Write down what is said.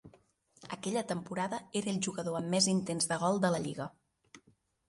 Aquella temporada era el jugador amb més intents de gol de la Lliga.